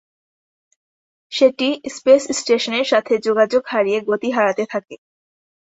সেটি স্পেস স্টেশনের সাথে যোগাযোগ হারিয়ে গতি হারাতে থাকে।